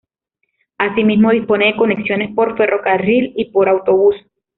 Asimismo dispone de conexiones por ferrocarril y por autobús.